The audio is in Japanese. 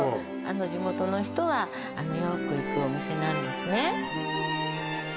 地元の人がよく行くお店なんですね